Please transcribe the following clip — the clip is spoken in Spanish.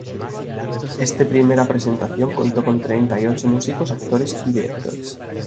Este primera presentación contó con treinta y ocho músicos, actores y directores.